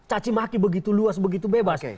cacimaki begitu luas begitu bebas